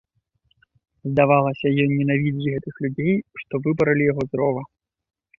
Здавалася, ён ненавідзіць гэтых людзей, што выпаралі яго з рова.